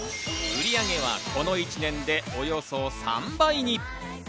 売上はこの１年でおよそ３倍に。